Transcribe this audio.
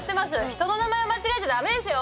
人の名前間違えちゃ駄目ですよ。